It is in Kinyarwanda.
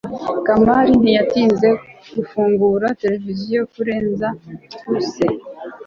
kamari ntiyatinze gufungura televiziyo kurenza fuse